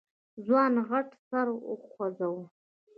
ځوان غټ سر وخوځوه.